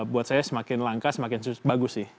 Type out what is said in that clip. buat saya semakin langka semakin bagus sih